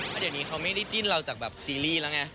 เพราะเดี๋ยวนี้เขาไม่ได้จิ้นเราจากแบบซีรีส์แล้วไง